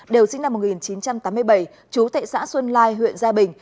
đều sinh năm một nghìn chín trăm tám mươi bảy chú tệ xã xuân lai huyện gia bình